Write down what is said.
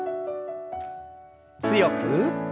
強く。